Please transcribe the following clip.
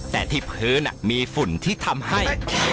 แต่ที่พื้นมีฝุ่นที่ทำให้